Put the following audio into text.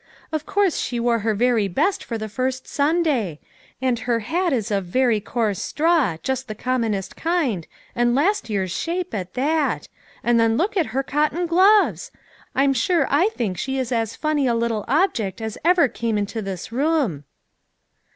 Of course she wore her very best for the first Sunday; and her hat i8 of very coarse straw, just the commonest kind, and last year's shape at that ; then look at her cotton gloves ! I'm sure I think she is as funny a little object as ever came into this room."